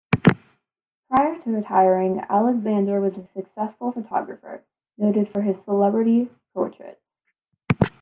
Prior to retiring, Alexander was a successful photographer, noted for his celebrity portraits.